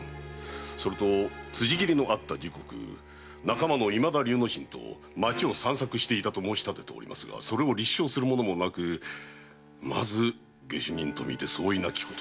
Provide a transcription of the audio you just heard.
それと辻斬りのあった時刻仲間の今田竜之進と町を散策していたと申してますがそれを立証するものもなくまず下手人と見て相違なきことと。